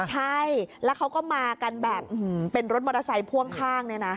ใช่แล้วเขาก็มากันแบบเป็นรถมอเตอร์ไซค์พ่วงข้างเนี่ยนะ